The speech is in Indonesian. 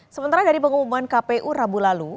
sementara dari pengumuman kpu rabu lalu